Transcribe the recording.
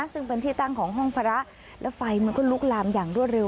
ซึ่งเป็นที่ตั้งของห้องพระแล้วไฟมันก็ลุกลามอย่างรวดเร็